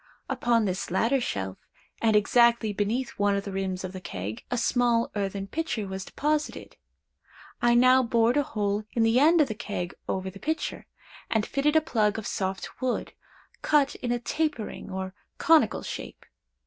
Upon this latter shelf, and exactly beneath one of the rims of the keg, a small earthern pitcher was deposited. I now bored a hole in the end of the keg over the pitcher, and fitted in a plug of soft wood, cut in a tapering or conical shape.